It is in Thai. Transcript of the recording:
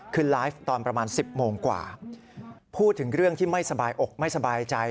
คือไลฟ์ตอนประมาณ๑๐โมงกว่าพูดถึงเรื่องที่ไม่สบายอกไม่สบายใจ